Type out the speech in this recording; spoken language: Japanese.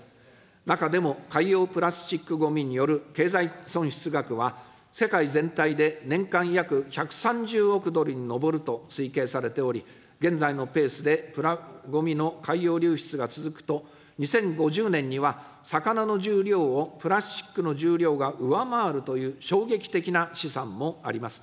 中でも、海洋プラスチックごみによる経済損失額は、世界全体で年間約１３０億ドルに上ると推計されており、現在のペースでプラごみの海洋流出が続くと、２０５０年には魚の重量をプラスチックの重量が上回るという衝撃的な試算もあります。